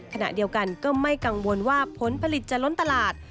ขณะเดียวกันก็ไม่กังวลว่าผลผลิตจะล้นตลาด